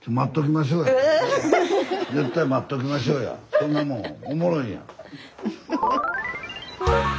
そんなもんおもろいやん。